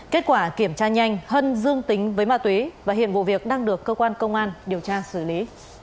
kết quả kiểm tra nhanh hân dương tính với ma túy và hiện vụ việc đang được cơ quan công an điều tra xử lý